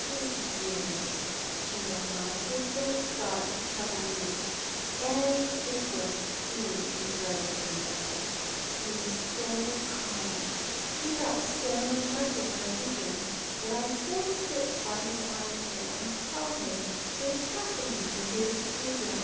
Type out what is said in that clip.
"] "It is years," she went on, "since those thoughts have troubled me, and it was he who drove them away. He was so kind! He thought so much of my future that I still sit by his arm chair and tell him what is happening to his Grizel.